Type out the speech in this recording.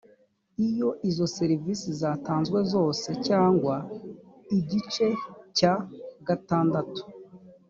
iyo izo serivisi zatanzwe zose cyangwa igice cya gatandatu